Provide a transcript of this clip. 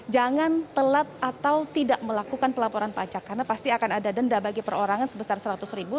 jangan telat atau tidak melakukan pelaporan pajak karena pasti akan ada denda bagi perorangan sebesar seratus ribu